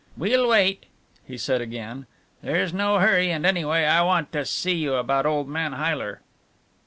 "We'll wait," he said again, "there's no hurry and, anyway, I want to see you about old man Heyler."